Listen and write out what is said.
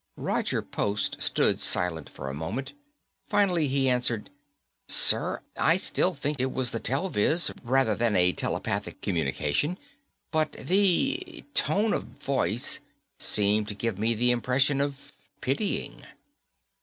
Roger Post stood silent for a moment. Finally he answered, "Sir, I still think it was the telviz, rather than a telepathic communication, but the ... the tone of voice seemed to give me the impression of pitying."